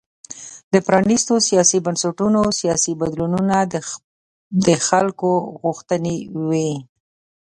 د پرانیستو سیاسي بنسټونو سیاسي بدلونونه د خلکو غوښتنې وې.